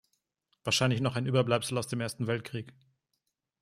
Wahrscheinlich noch ein Überbleibsel aus dem Ersten Weltkrieg.